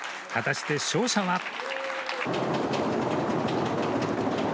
果たして勝者は。